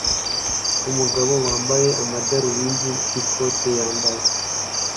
Umugabo wambaye amadarubindi n'ikote yambaye